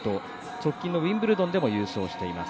直近のウィンブルドンでも優勝しています。